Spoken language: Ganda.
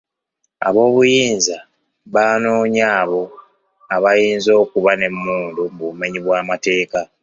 Ab'obuyinza baanoonya abo abayinza okuba n'emmundu mu bumenyi bw'amateeka.